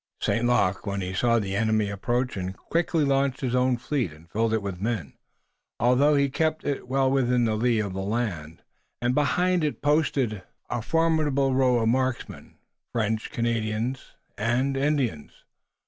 St. Luc, when he saw the enemy approaching, quickly launched his own fleet, and filled it with men, although he kept it well in the lee of the land, and behind it posted a formidable row of marksmen, French, Canadians and Indians.